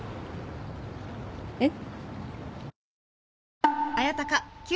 えっ？